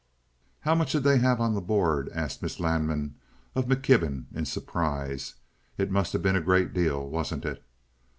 "How much did they have on the board?" asked Miss Lanman of McKibben, in surprise. "It must have been a great deal, wasn't it?"